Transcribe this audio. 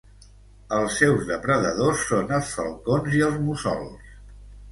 Els seus depredadors són els falcons i els mussols.